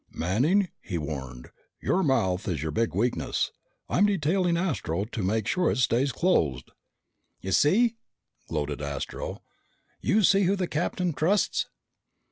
"Manning," he warned, "your mouth is your big weakness. I'm detailing Astro to make sure it stays closed!" "You see?" gloated Astro. "You see who the captain trusts!"